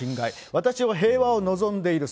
私は平和を望んでいる。